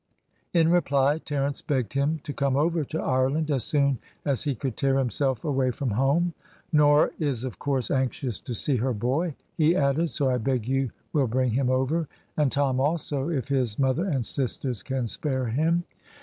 In reply, Terence begged him to come over to Ireland as soon as he could tear himself away from home. "Nora is of course anxious to see her boy," he added, "so I beg you will bring him over, and Tom also, if his mother and sisters can spare him."